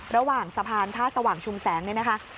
ระหว่างสะพานท่าสว่างชุมแสงเนี่ยนะคะ